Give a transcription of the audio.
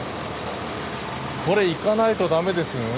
これ行かないと駄目ですよね。